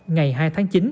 ngày hai tháng chín